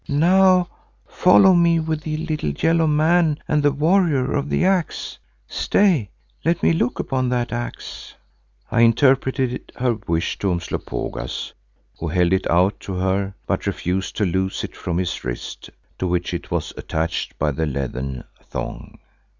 Now follow me with the little yellow man and the Warrior of the Axe. Stay, let me look upon that axe." I interpreted her wish to Umslopogaas who held it out to her but refused to loose it from his wrist to which it was attached by the leathern thong.